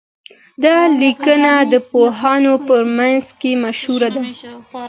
دا لیکنه د پوهانو په منځ کي مشهوره ده.